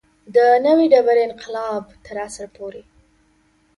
د نوې ډبرې انقلاب تر عصر پورې.